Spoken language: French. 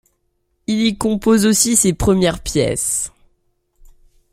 Il y compose aussi ses premières pièces.